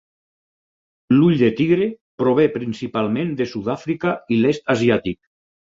L'ull de tigre prové principalment de Sud-àfrica i l'est asiàtic.